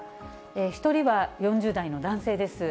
一人は４０代の男性です。